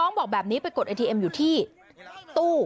บอกแบบนี้ไปกดไอทีเอ็มอยู่ที่ตู้